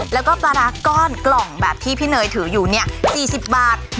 แล้วก็ปลาร้าก้อนกล่องแบบที่พี่เนยถืออยู่เนี่ย๔๐บาท